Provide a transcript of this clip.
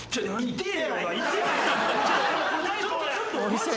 痛え！？